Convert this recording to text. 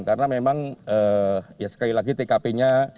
karena memang sekali lagi tkp nya